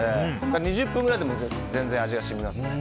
２０分くらいでも全然、味が染みますね。